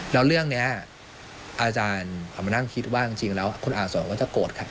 แล้วเรื่องนี้อาจารย์ก็มานั่งคิดว่าจริงแล้วคุณอาจารย์สมมุติว่าจะโกรธค่ะ